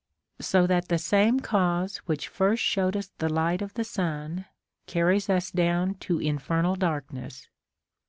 So that the same cause Avhich first showed us the light of the sun carries us down to infernal darkness.